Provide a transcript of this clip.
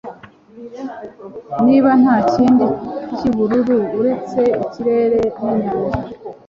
Niba nta kindi cyubururu uretse ikirere ninyanja